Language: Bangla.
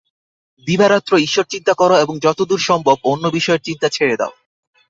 দিবারাত্র ঈশ্বরচিন্তা কর এবং যতদূর সম্ভব অন্য বিষয়ের চিন্তা ছেড়ে দাও।